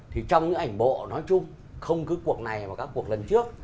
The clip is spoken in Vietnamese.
thì trong cái ảnh bộ nói chung không cứ cuộc này mà các cuộc lần trước